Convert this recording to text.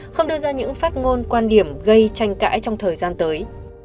không đưa ra những phát ngôn quan điểm gây tranh cãi trong thời gian tới